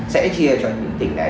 sẽ chia cho những tỉnh này